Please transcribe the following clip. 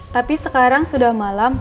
tapi sekarang sudah malam